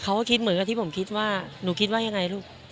เขาก็คิดเหมือนกับที่ผมคิดว่าหนูคิดว่ายังไงลูก